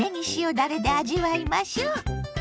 だれで味わいましょう。